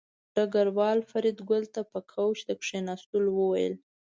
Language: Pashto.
ډګروال فریدګل ته په کوچ د کېناستلو وویل